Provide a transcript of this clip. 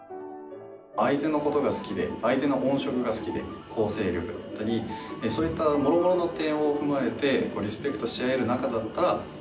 相手の事が好きで相手の音色が好きで構成力だったりそういったもろもろの点を踏まえてリスペクトし合える仲だったら非常に。